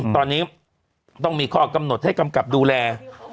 ตอนนี้ต้องมีข้อกำหนดให้กำกับดูแล